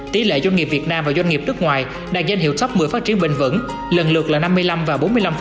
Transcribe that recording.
tỷ lệ doanh nghiệp việt nam và doanh nghiệp nước ngoài đạt danh hiệu top một mươi phát triển bình vững lần lượt là năm mươi năm và bốn mươi năm